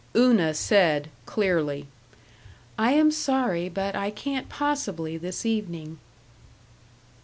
Una said, clearly, "I am sorry, but I can't possibly this evening."